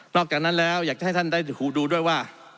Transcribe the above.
อกจากนั้นแล้วอยากจะให้ท่านได้หูดูด้วยว่า